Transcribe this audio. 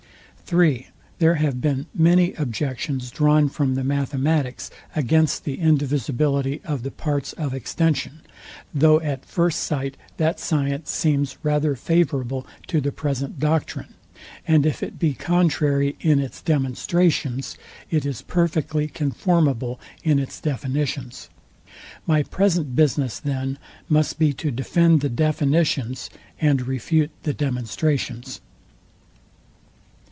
III. There have been many objections drawn from the mathematics against the indivisibility of the parts of extension: though at first sight that science seems rather favourable to the present doctrine; and if it be contrary in its DEMONSTRATIONS, it is perfectly conformable in its definitions. My present business then must be to defend the definitions, and refute the demonstrations.